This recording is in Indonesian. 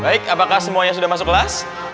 baik apakah semuanya sudah masuk kelas